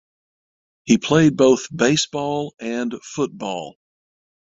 He played both baseball and football.